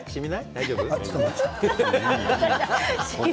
大丈夫？